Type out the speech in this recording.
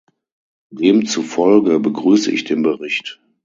Demzufolge begrüße ich den Bericht.